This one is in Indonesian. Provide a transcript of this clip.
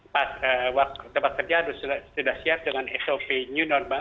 pas tempat kerja sudah siap dengan sop new normal